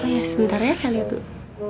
oh ya sebentar ya saya liat tuh